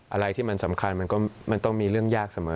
อะไรที่มันสำคัญมันต้องมีเรื่องยากเสมอ